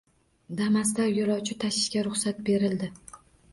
⠀ “Damas”da yoʻlovchi tashishga ruxsat berildi.